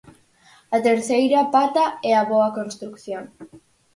A terceira pata é a boa construción.